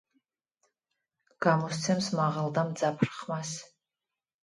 გამოსცემს მაღალ და მძაფრ ხმას.